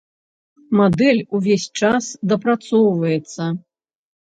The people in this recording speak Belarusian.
Мадэль увесь час дапрацоўваецца.